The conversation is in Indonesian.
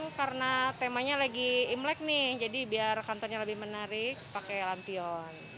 itu karena temanya lagi imlek nih jadi biar kantornya lebih menarik pakai lampion